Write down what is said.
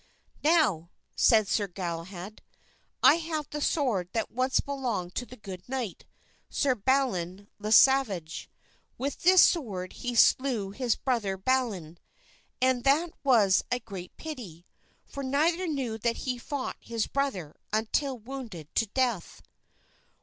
"Now," said Sir Galahad, "I have the sword that once belonged to the good knight, Sir Balin le Savage; with this sword he slew his brother Balan, and that was a great pity, for neither knew that he fought his brother until wounded to death."